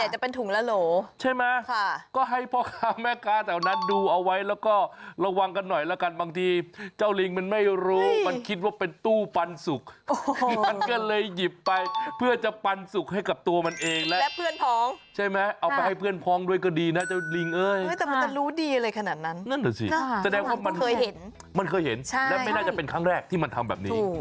ต้องป้องกันเอาไว้ก่อนคุณผู้ชมนะ